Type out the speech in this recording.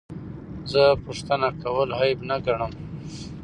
زه پوښتنه کول عیب نه ګڼم.